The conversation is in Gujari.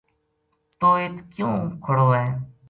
توہ اِت کیوں کھڑو ہے